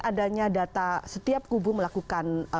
adanya data setiap kubu melakukan